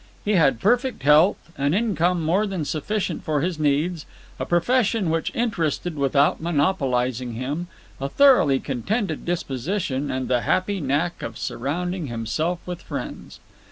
He had perfect health, an income more than sufficient for his needs, a profession which interested without monopolizing him, a thoroughly contented disposition, and the happy knack of surrounding himself with friends.